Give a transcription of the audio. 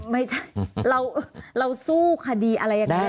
ไม่ใช่เราสู้คดีอะไรอย่างนี้